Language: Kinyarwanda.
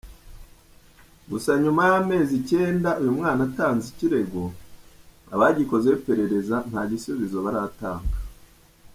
Gusa nyuma y’amezi icyenda uyu mwana atanze ikirego, abagikozeho iperereza nta gisubizo baratanga.